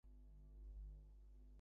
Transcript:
আচ্ছা, তা হলে যাব না।